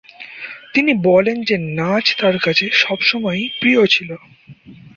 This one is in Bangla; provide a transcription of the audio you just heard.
তিনি বলেন যে, নাচ তার কাছে সবসময়ই প্রিয় ছিল।